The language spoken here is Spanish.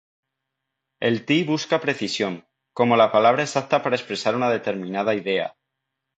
El Ti busca precisión, como la palabra exacta para expresar una determinada idea.